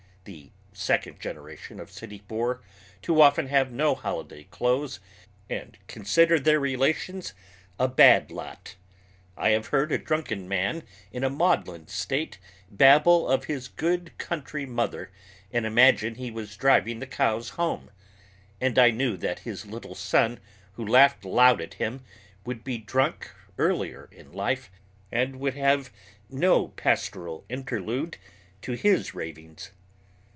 The second generation of city poor too often have no holiday clothes and consider their relations a "bad lot." I have heard a drunken man in a maudlin stage babble of his good country mother and imagine he was driving the cows home, and I knew that his little son who laughed loud at him would be drunk earlier in life and would have no pastoral interlude to his ravings.